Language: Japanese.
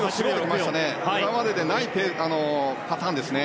今までにないパターンですね。